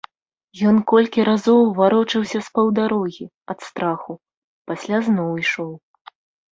Ён колькі разоў варочаўся з паўдарогі, ад страху, пасля зноў ішоў.